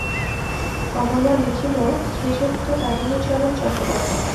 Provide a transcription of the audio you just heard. কমলা লিখিল–শ্রীযুক্ত তারিণীচরণ চট্টোপাধ্যায়।